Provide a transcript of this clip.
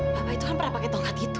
bapak itu kan pernah pakai tongkat itu